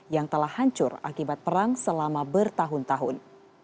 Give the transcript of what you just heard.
yang telah hancur akibat perang selama bertahun tahun